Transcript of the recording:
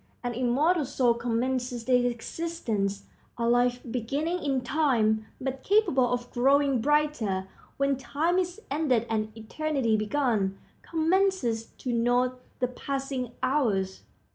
An immortal soul commences its existence. A life, beginning in time, but capable of growing brighter when time is ended and eternity begun, commences to note the passing hours.